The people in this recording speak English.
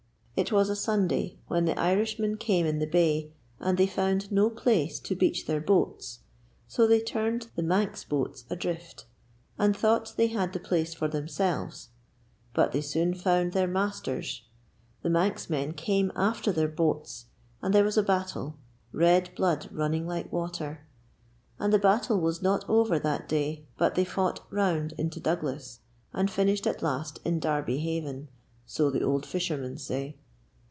It was a Sunday when the Irishmen came in the bay, and they found no place to beach their boats, so they turned the Manx boats adrift, and thought they had the place for themselves. But they soon found their masters. The Manx men came after their boats, and there was the battle red blood running like water! And the battle was not over that day, but they fought round into Douglas, and finished at last in Derby Haven, so the old fishermen say.